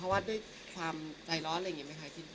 ว่าด้วยความใจร้อนอะไรอย่างนี้ไหมคะ